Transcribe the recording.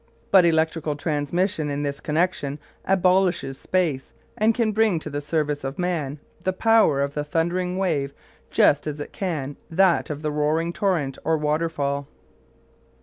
But electrical transmission in this connection abolishes space, and can bring to the service of man the power of the thundering wave just as it can that of the roaring torrent or waterfall.